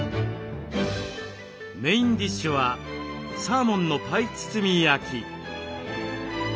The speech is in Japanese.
メインディッシュはサーモンのパイ包み焼き。